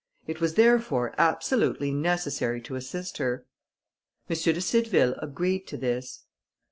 It was, therefore, absolutely necessary to assist her. M. de Cideville agreed to this.